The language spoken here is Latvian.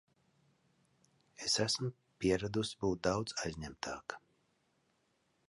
Es esmu pieradusi būt daudz aizņemtāka.